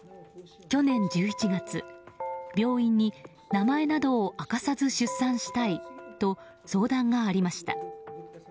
去年１１月、病院に名前などを明かさず出産したいと相談がありました。